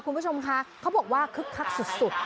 คุณผู้ชมคะเขาบอกว่าคึกคักสุด